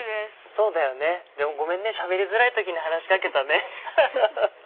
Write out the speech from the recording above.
そうだよねごめんねしゃべりづらい時に話しかけたね。